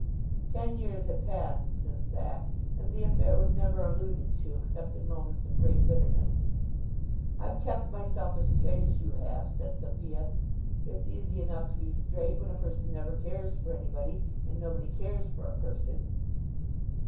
Ten years had passed since that, and the affair was never alluded to except in moments of great bitterness. "I've kept myself as straight as you have," said Sophia. "It's easy enough to be straight, when a person never cares for anybody, and nobody cares for a person."